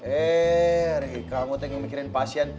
eh kamu itu mikirin pasien